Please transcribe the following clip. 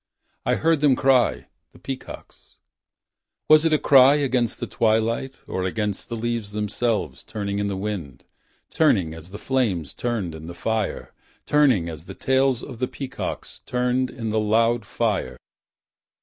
I heard them cry — the peacocks . Was it a cry against the twilight Or against the leaves themselves Turning in the wind. Turning as the flames Turned in the fire. Turning as the tails of the peacocks Turned in the loud fire.